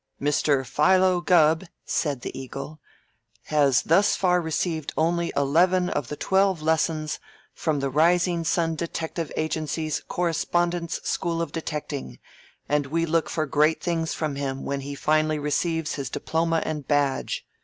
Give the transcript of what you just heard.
"Mr. Philo Gubb," said the "Eagle," "has thus far received only eleven of the twelve lessons from the Rising Sun Detective Agency's Correspondence School of Detecting, and we look for great things from him when he finally receives his diploma and badge.